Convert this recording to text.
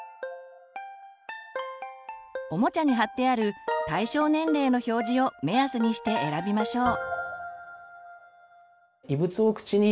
おもちゃに貼ってある対象年齢の表示を目安にして選びましょう。